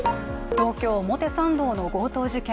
東京・表参道の強盗事件。